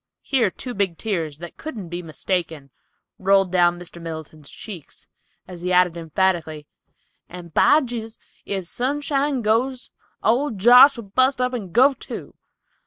Here two big tears, that couldn't be mistaken, rolled down Mr. Middleton's cheeks, as he added emphatically, "and by Jehu, if Sunshine goes, old Josh'll bust up and go, too!"